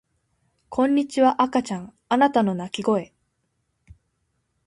こんにちは赤ちゃんあなたの泣き声